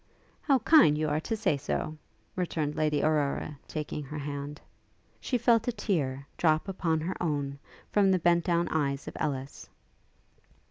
'How kind you are to say so!' returned Lady Aurora, taking her hand. She felt a tear drop upon her own from the bent down eyes of Ellis.